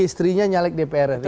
istrinya nyalek dpr ri